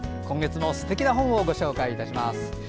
今月も、すてきな本をご紹介いたします。